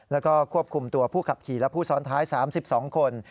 แล้วก็ควบคุมตัวผู้ขับขี่และผู้ซ้อนท้าย๓๒คน